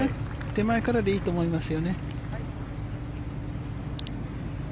手前からでいいと思います。